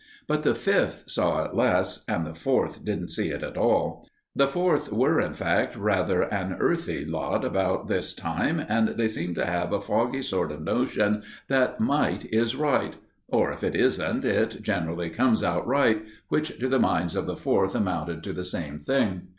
But the Fifth saw it less, and the Fourth didn't see it at all. The Fourth were, in fact, rather an earthy lot about this time, and they seemed to have a foggy sort of notion that might is right; or, if it isn't, it generally comes out right, which to the minds of the Fourth amounted to the same thing.